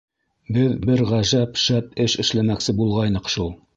Беҙ бер ғәжәп шәп эш эшләмәксе булғайныҡ шул.